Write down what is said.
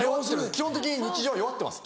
基本的に日常は弱ってます